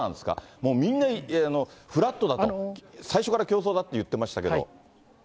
もうみんなフラットだと、最初から競争だって言ってましたけど。